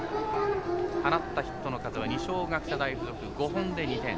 放ったヒットの数は二松学舎大付属、５本で２点。